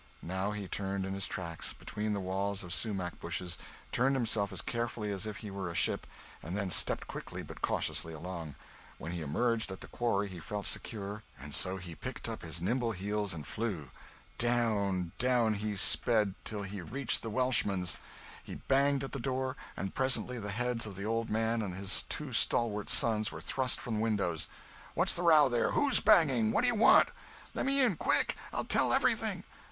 Now he turned in his tracks, between the walls of sumach bushes—turned himself as carefully as if he were a ship—and then stepped quickly but cautiously along. When he emerged at the quarry he felt secure, and so he picked up his nimble heels and flew. Down, down he sped, till he reached the Welshman's. He banged at the door, and presently the heads of the old man and his two stalwart sons were thrust from windows. "What's the row there? Who's banging? What do you want?" "Let me in—quick! I'll tell everything."